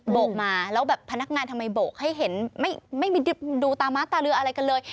โกกมาแล้วแบบพนักงานทำไมโบกให้เห็นไม่มีดูตาม้าตาลืออะไรกันเลย